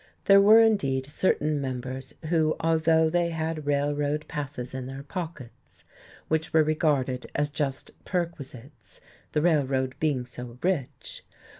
There were indeed certain members who, although they had railroad passes in their pockets (which were regarded as just perquisites, the Railroad being so rich!)